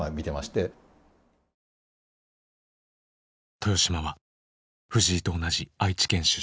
豊島は藤井と同じ愛知県出身。